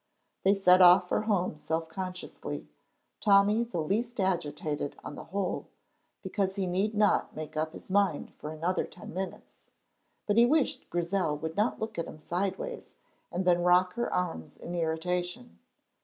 They set off for home self consciously, Tommy the least agitated on the whole, because he need not make up his mind for another ten minutes. But he wished Grizel would not look at him sideways and then rock her arms in irritation.